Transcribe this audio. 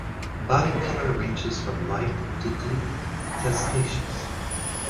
Body color ranges from light to deep testaceous.